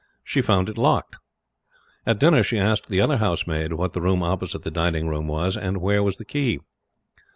She found it locked. At dinner she asked the other housemaid what the room opposite the dining room was, and where was the key.